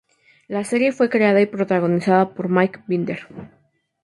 La serie fue creada y protagonizada por Mike Binder.